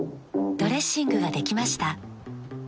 ドレッシングができました。